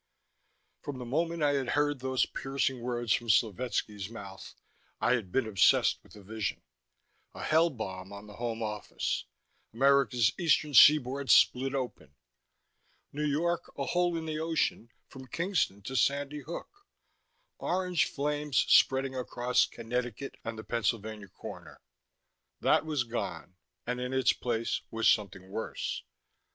_" XI From the moment I had heard those piercing words from Slovetski's mouth, I had been obsessed with a vision. A Hell bomb on the Home Office. America's eastern seaboard split open. New York a hole in the ocean, from Kingston to Sandy Hook; orange flames spreading across Connecticut and the Pennsylvania corner. That was gone and in its place was something worse.